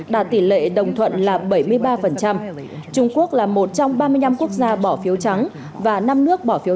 đạt tỷ lệ đồng thuận là bảy mươi ba trung quốc là một trong ba mươi năm quốc gia bỏ phiếu trắng và năm nước bỏ phiếu